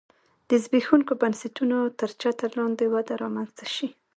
د زبېښونکو بنسټونو تر چتر لاندې وده رامنځته شي